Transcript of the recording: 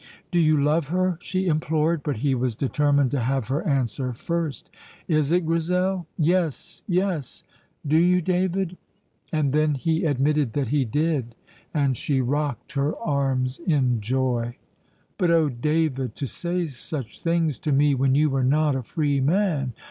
"Do you love her?" she implored, but he was determined to have her answer first. "Is it, Grizel?" "Yes, yes. Do you, David?" And then he admitted that he did, and she rocked her arms in joy. "But oh, David, to say such things to me when you were not a free man!